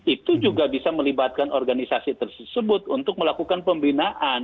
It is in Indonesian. itu juga bisa melibatkan organisasi tersebut untuk melakukan pembinaan